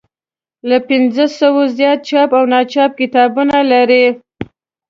له پنځوسو زیات چاپ او ناچاپ کتابونه لري.